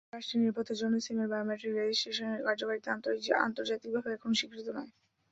রাষ্ট্রের নিরাপত্তার জন্য সিমের বায়োমেট্রিক রেজিস্ট্রেশনের কার্যকারিতা আন্তর্জাতিকভাবে এখনো স্বীকৃত নয়।